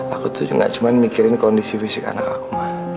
aku tuh nggak cuma mikirin kondisi fisik anak aku ma